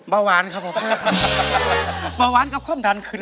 บะวานครับบะวานกับคว่ำดันขึ้น